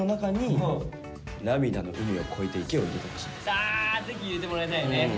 あぜひ入れてもらいたいね。